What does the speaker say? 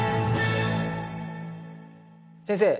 先生